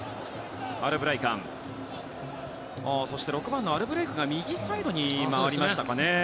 ６番、アルブレイクが右サイドに回りましたかね。